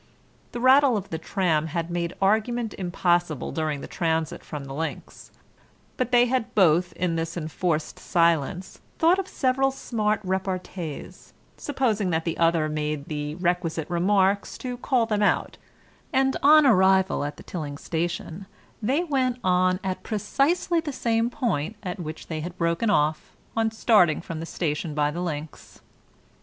The rattle of the tram had made argument impossible during the transit from the links, but they had both in this enforced silence thought of several smart repartees, supposing that the other made the requisite remarks to call them out, and on arrival at the Tilling station they went on at precisely the same point at which they had broken off on starting from the station by the links.